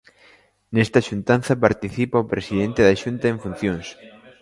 Nesta xuntanza participa o presidente da Xunta en funcións.